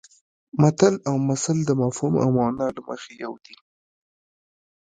متل او مثل د مفهوم او مانا له مخې یو دي